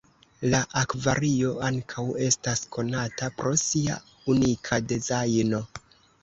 La akvario ankaŭ estas konata pro sia unika dezajno.